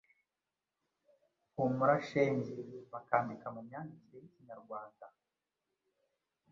Humura Shenge’ bakandika mu myandikire y’ikinyarwanda